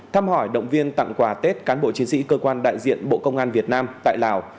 thăm hỏi động viên tặng quà tết cán bộ chiến sĩ cơ quan đại diện bộ công an việt nam tại lào